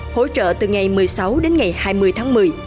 hỗ trợ từ ngày một mươi sáu đến ngày hai mươi tháng một mươi